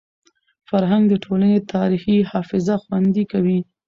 فرهنګ د ټولني تاریخي حافظه خوندي کوي.